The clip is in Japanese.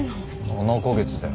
７か月だよ。